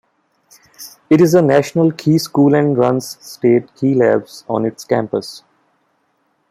It is a national key school and runs state key labs on its campus.